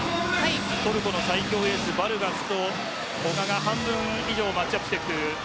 トルコの最強エース、バルガスと古賀が半分以上マッチアップ